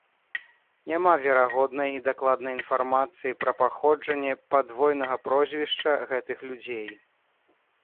Няма верагоднай і дакладнай інфармацыі пра паходжанне падвойнага прозвішча гэтых людзей.